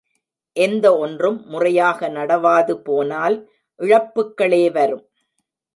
எந்த ஒன்றும் முறையாக நடவாது போனால் இழப்புக்களே வரும்.